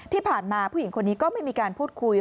ที่ผ่านมาผู้หญิงคนนี้ก็ไม่มีการพูดคุย